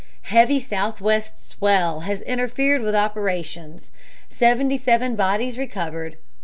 Heavy southwest swell has interfered with operations. Seventy seven bodies recovered.